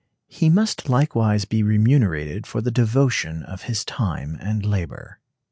He must likewise be remunerated for the devotion of his time and labor.